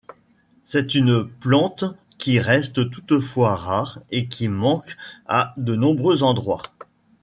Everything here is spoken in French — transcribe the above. C'est une plante qui reste toutefois rare et qui manque à de nombreux endroits.